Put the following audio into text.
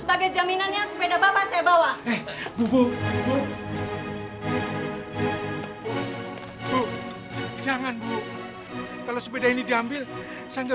pakai jaminannya sepeda bapak saya bawa eh bu bu bu bu jangan bu kalau sepeda ini diambil saya